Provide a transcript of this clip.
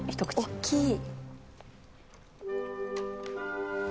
大きい。